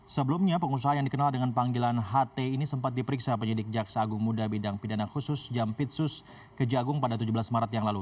sebelumnya pengusaha yang dikenal dengan panggilan ht ini sempat diperiksa penyidik jaksa agung muda bidang pidana khusus jampitsus kejagung pada tujuh belas maret yang lalu